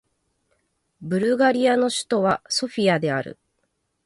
ブルガリアの首都はソフィアである